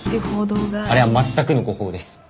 あれは全くの誤報です。